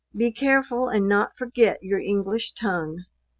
Be careful and not forget your English tongue.